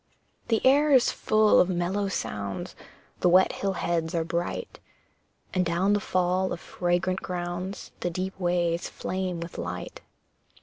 The air is full of mellow sounds, The wet hill heads are bright, And down the fall of fragrant grounds, The deep ways flame with light.